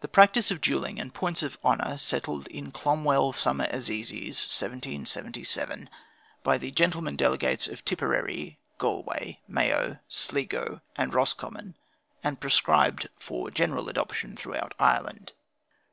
"The practice of duelling and points of honor settled at Clonmell summer assizes, 1777, by the gentleman delegates of Tipperary, Galway, Mayo, Sligo and Roscommon, and prescribed for general adoption throughout Ireland.